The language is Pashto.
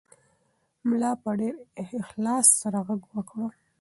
ملا په ډېر اخلاص سره غږ وکړ.